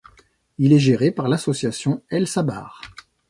Il est géré par l’association El-Sabar.